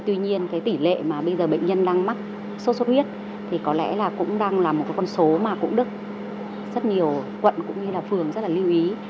tuy nhiên cái tỷ lệ mà bây giờ bệnh nhân đang mắc sốt xuất huyết thì có lẽ là cũng đang là một cái con số mà cũng được rất nhiều quận cũng như là phường rất là lưu ý